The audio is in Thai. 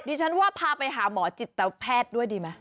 ดิฉันว่าพาไปหาหมอจิตแพทย์ด้วยดีไหม